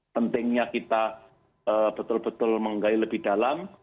pentingnya kita betul betul menggali lebih dalam